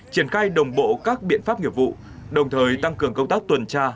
triển khai đồng bộ các biện pháp nghiệp vụ đồng thời tăng cường công tác tuần tra